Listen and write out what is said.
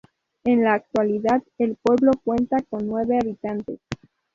En la actualidad, el pueblo cuenta con nueve habitantes.